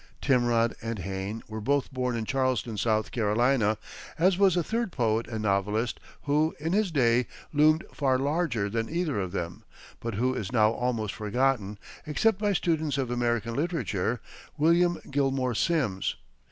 Timrod and Hayne were both born at Charleston, South Carolina, as was a third poet and novelist, who, in his day, loomed far larger than either of them, but who is now almost forgotten, except by students of American literature William Gilmore Simms.